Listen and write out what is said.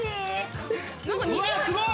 うわすごい！